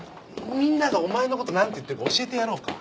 みんながお前のこと何て言ってるか教えてやろうか？